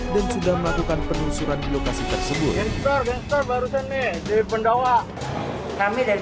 dan sudah melakukan penelusuran di lokasi tersebut terbaru ini di pendawa kami dari